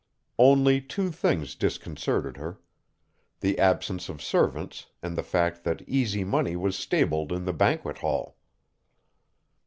Only two things disconcerted her: the absence of servants and the fact that Easy Money was stabled in the banquet hall.